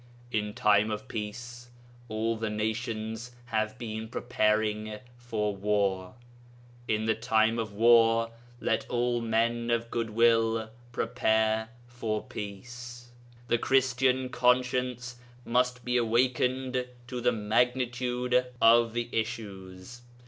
In time of peace all the nations have been preparing for war. In the time of war let all men of good will prepare for peace. The Christian conscience must be awakened to the magnitude of the issues.